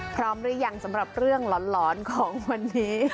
พร้อมหรือยังสำหรับเรื่องหลอนของวันนี้